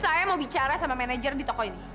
saya mau bicara sama manajer di toko ini